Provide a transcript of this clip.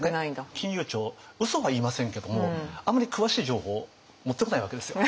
金融庁うそは言いませんけどもあんまり詳しい情報を持ってこないわけですよ。